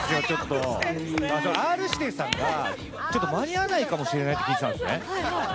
Ｒ−指定さんが間に合わないかもしてないって聞いてたんですね。